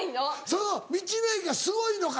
その道の駅がすごいのか？